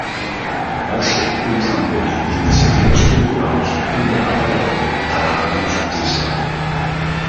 Van ser un trampolí d'iniciatives culturals i un bon aparador de l'art noucentista.